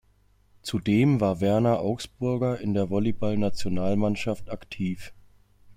Zudem war Werner Augsburger in der Volleyballnationalmannschaft aktiv.